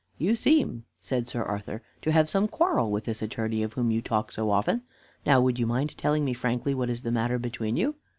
"You seem," said Sir Arthur, "to have some quarrel with this Attorney of whom you talk so often. Now would you mind telling me frankly what is the matter between you?"